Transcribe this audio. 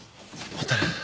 蛍。